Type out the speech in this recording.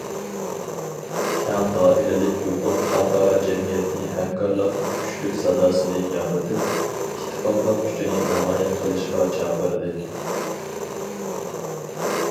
كەڭ دائىرىلىك يۇقۇم خەلقئارا جەمئىيەتنى ھەمكارلىقنىڭ كۈچلۈك ساداسىنى ياڭرىتىپ، ئىتتىپاقلىق كۈچىنى نامايان قىلىشقا چاقىردى.